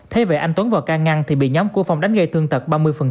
thay vậy anh tuấn vào ca ngăn thì bị nhóm của phong đánh gây tương tật ba mươi